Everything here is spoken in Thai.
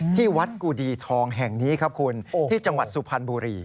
ที่วัดกุดีทองแห่งนี้ครับคุณที่จังหวัดสุพรรณบุรี